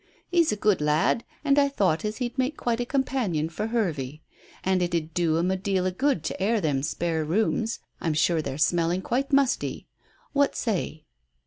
He's a good lad, and I thought as he'd make quite a companion for Hervey. An' it 'ud do 'em a deal of good to air them spare rooms. I'm sure they're smelling quite musty. What say?"